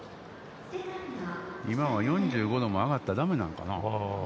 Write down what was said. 今は４５度も上がったらだめなんかな？